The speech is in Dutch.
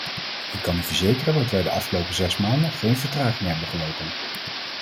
Ik kan u verzekeren dat wij de afgelopen zes maanden geen vertraging hebben gelopen.